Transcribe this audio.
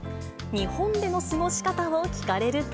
日本での過ごし方を聞かれると。